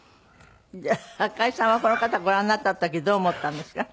じゃあ赤井さんはこの方ご覧になった時どう思ったんですか？